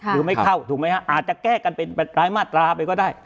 ไม่เข้าถูกไหมฮะอาจจะแก้กันเป็นรายมาตราไปก็ได้